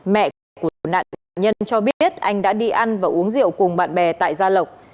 mẹ của nạn nhân cho biết anh đã đi ăn và uống rượu cùng bạn bè tại gia lộc